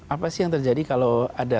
apa sih yang terjadi kalau ada